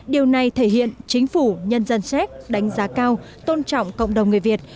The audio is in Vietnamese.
điều này thể hiện chính phủ nhân dân séc đánh giá cao tôn trọng cộng đồng người việt